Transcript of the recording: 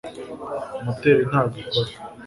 moteri ntabwo ikora